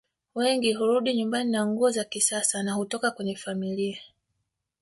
Wengi hurudi nyumbani na nguo za kisasa na hutoka kwenye familia